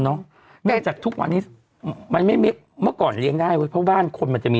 เนอะเนื่องจากทุกวันนี้มันไม่เมื่อก่อนเลี้ยงได้ไว้เพราะบ้านคนมันจะมี